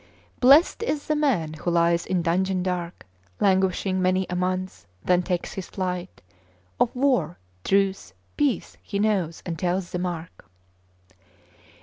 Blessed is the man who lies in dungeon dark, Languishing many a month, then takes his flight Of war, truce, peace he knows, and tells the mark.